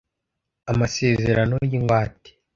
amasezerano y’ingwate